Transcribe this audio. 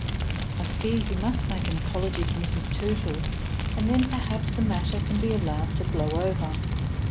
I fear you must make an apology to Mrs. Tootle, and then perhaps the matter can be allowed to blow over."